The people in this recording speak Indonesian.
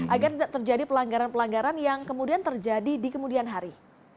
agar tidak terjadi pelanggaran pelanggaran yang kemudian terjadi di kemudian hari